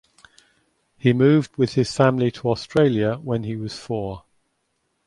He moved with his family to Australia when he was four.